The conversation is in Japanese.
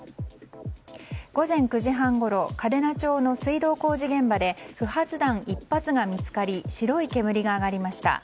午前９時半ごろ嘉手納町の水道工事現場で不発弾１発が見つかり白い煙が上がりました。